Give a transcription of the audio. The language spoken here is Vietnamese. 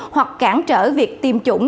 hoặc cản trở việc tiêm chủng